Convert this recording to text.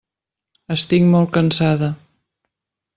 Estic molt cansada.